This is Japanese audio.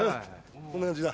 こんな感じだ。